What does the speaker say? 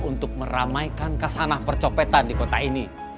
untuk meramaikan kasanah percopetan di kota ini